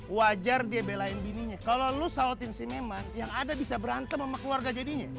wajar dia belain bininya kalau lu sawatin si memang yang ada bisa berantem keluarga jadinya